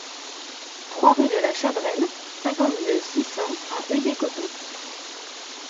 trois rue de la Chadrelle, cinquante-deux, six cents à Heuilley-Cotton